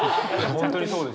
本当にそうですよね。